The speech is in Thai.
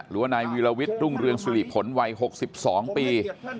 หรือว่านายวีรวิทย์รุ่งเรืองสุริผลวัย๖๒ปี